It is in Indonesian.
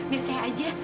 biar saya aja